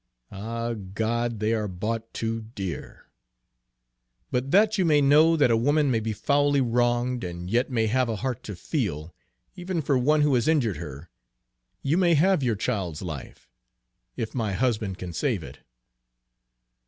ah, God, they are bought too dear! But that you may know that a woman may be foully wronged, and yet may have a heart to feel, even for one who has injured her, you may have your child's life, if my husband can save it!